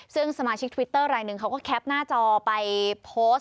ซึ่งสมาชิกทวิตเตอร์รายหนึ่งเขาก็แคปหน้าจอไปโพสต์